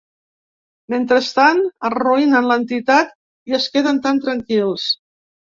Mentrestant arruïnen l’entitat i es queden tan tranquils.